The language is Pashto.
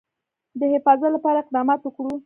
د حفاظت لپاره اقدامات وکړو.